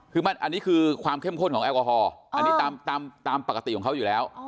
คืออันนี้คือความเข้มข้นของแอลกอฮอลอันนี้ตามปกติของเขาอยู่แล้ว